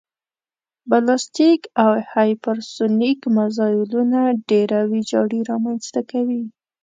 بلاستیک او هیپرسونیک مزایلونه ډېره ویجاړي رامنځته کوي